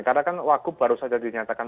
karena kan wakub baru saja jadi pernikahan